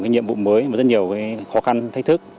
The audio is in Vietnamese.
nhiệm vụ mới rất nhiều khó khăn thách thức